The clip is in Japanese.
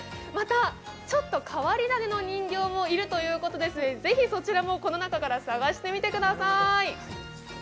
また、ちょっと変わり種の人形もいるということですのでぜひ、そちらもこの中から探して見てください。